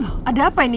loh ada apa ini